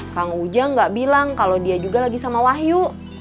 kang ujang gak bilang kalau dia juga lagi sama wahyu